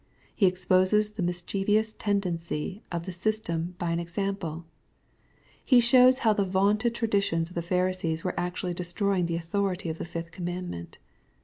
He exposes the mischievous tendency of the system by an example. He shows how the vaunted traditions of the Pharisees were actually destroying the authority of the fifth command ment.